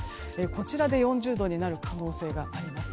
こちらで４０度になる可能性があります。